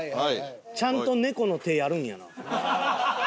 ちゃんと猫の手やるんやな。